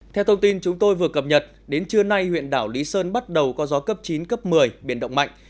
theo thông tin chúng tôi vừa cập nhật đến trưa nay huyện đảo lý sơn bắt đầu có gió cấp chín cấp một mươi biển động mạnh